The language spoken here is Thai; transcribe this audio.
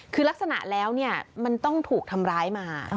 คือลักษณะแล้วเนี่ยมันต้องถูกทำร้ายมา